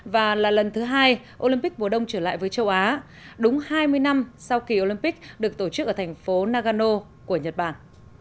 và là lần thứ hai olympic mùa đông trở lại với châu á đúng hai mươi năm sau kỳ olympic được tổ chức ở thành phố nagano của nhật bản